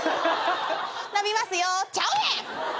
「伸びますよ」ちゃうねん！